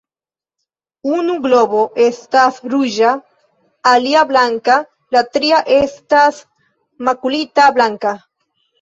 Unu globo estas ruĝa, alia blanka la tria estas makulita blanka.